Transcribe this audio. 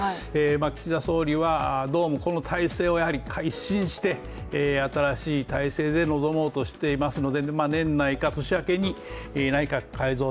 岸田総理はどうもこの体制を一新して新しい体制で臨もうとしていますので年内か年明けに、内閣改造